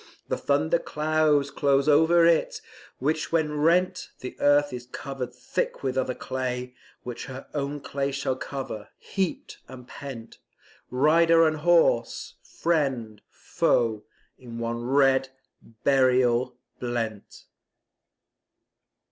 The thunder clouds close o'er it, which when rent The earth is covered thick with other clay, Which her own clay shall cover, heaped and pent, Rider and horse, friend, foe, in one red burial blent.